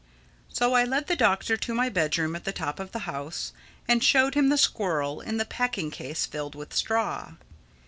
So I led the Doctor to my bedroom at the top of the house and showed him the squirrel in the packing case filled with straw.